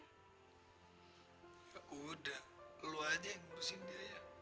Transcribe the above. ya udah lo aja yang urusin dia ya